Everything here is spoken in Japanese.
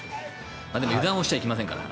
でも油断しちゃいけませんから。